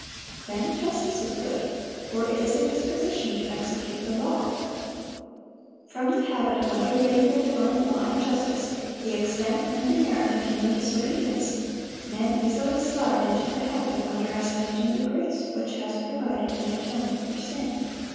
Then justice is good; for it is a disposition to execute the law. From the habit of underrating the divine law and justice, the extent and demerit of human disobedience, men easily slide into the habit of underestimating the grace which has provided an atonement for sin."